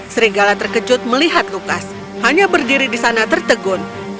serigala terkejut melihat lukas hanya berdiri di sana tertegun